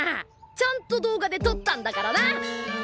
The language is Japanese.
ちゃんと動画でとったんだからな！